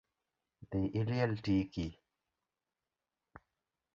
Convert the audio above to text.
Dhii iliel tiki